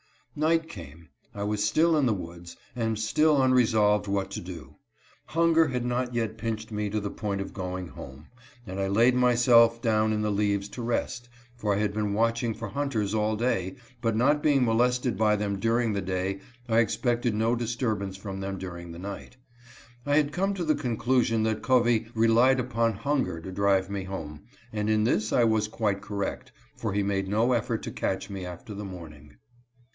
Night came. I was still in the woods, and still unre solved what to do. Hunger had not yet pinched me to the point of going home, and I laid myself down in the leaves to rest ; for I had been watching for hunters all day, but not being molested by them during the day, I expected no disturbance from them during the night. I had come to the conclusion that Covey relied upon hun ger to drive me home, and in this I was quite correct, for lie made no effort to catch me after the morning.